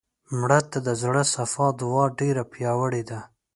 مړه ته د زړه صفا دعا ډېره پیاوړې ده